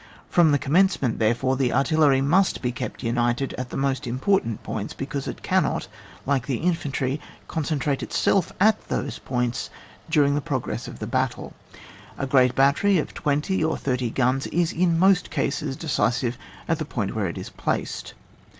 From the oommencementy there fore, the artillery must be kept imited at . the most important points, because it can not, like infantry, concentrate itself at those points during the progress of the battle. A great battery of twenty or thirty guns is in most cases decisive at the point where it is placed.